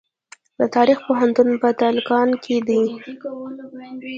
د تخار پوهنتون په تالقان کې دی